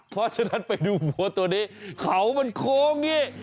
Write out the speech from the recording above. เพราะฉะนั้นไปดูวัวตัวนี้เขามันโค้งนี่